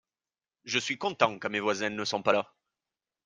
Je suis content quand mes voisins ne sont pas là.